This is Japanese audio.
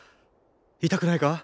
痛くないか？